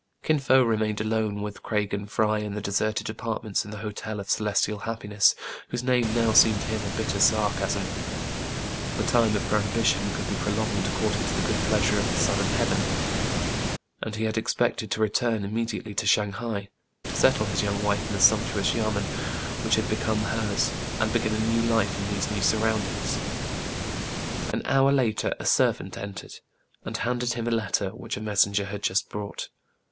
Kin Fo remained alone with Craig and Fry in the deserted apartments in the Hotel of Celestial Hap piness, whose name now seemed to him a bitter sarcasm. The time of prohibition could be pro longed, according to the good pleasure of the Son 176 TRIBULATIONS OF A CHINAMAN, of Heaven. And he had expected to return im mediately to Shang hai, to settle his young wife in the sumptuous yamen which had become hers, and begin a new life in these new surroundings. An hour later a servant entered, and handed him a letter, which a messenger had just brought.